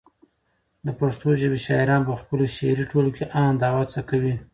د پښتو ژبی شاعران پخپلو شعري ټولګو کي هاند او هڅه کوي